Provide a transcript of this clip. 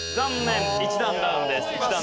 １段ダウンです。